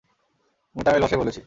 আমি তামিল ভাষায় বলেছি।